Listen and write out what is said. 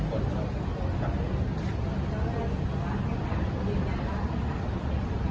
มีผู้ต้องการอย่างมายี๖คนครับ